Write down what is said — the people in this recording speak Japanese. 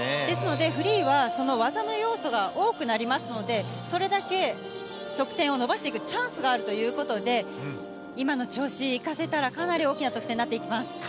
ですので、フリーは、その技の要素が多くなりますので、それだけ得点を伸ばしていくチャンスがあるということで、今の調子、生かせたら、かなり大きな得点になっていくと思います。